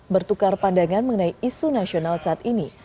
bertukar pandangan mengenai isu nasional saat ini